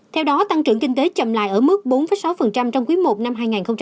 theo đó tăng trưởng kinh tế chậm lại ở mức bốn sáu trong quý i năm hai nghìn hai mươi